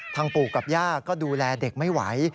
ปู่กับย่าก็ดูแลเด็กไม่ไหว